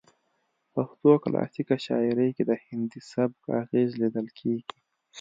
پښتو کلاسیکه شاعرۍ کې د هندي سبک اغیز لیدل کیږي